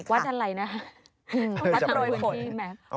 วัดอะไรนะ